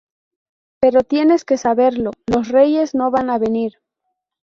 pero tienes que saberlo. los Reyes no van a venir.